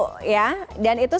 dan itu sebetulnya